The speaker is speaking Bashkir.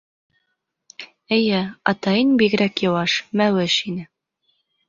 Эйе, атайың бигерәк йыуаш, мәүеш ине.